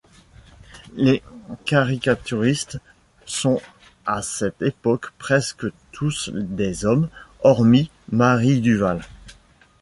Les caricaturistes sont à cette époque presque tous des hommes, hormis Marie Duval.